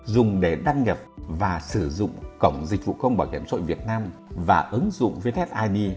dùng để đăng nhập và sử dụng cổng dịch vụ công bảo hiểm xã hội việt nam và ứng dụng vthid